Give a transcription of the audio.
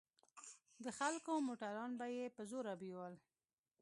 د خلکو موټران به يې په زوره بيول.